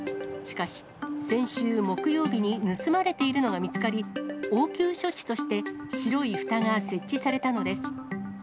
しかし、先週木曜日に盗まれているのが見つかり、応急処置として、白いふたが設置されたのです。